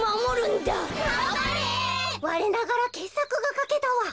われながらけっさくがかけたわ。